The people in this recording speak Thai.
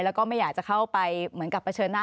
แล้วก็ไม่อยากจะเข้าไปเหมือนกับเผชิญหน้า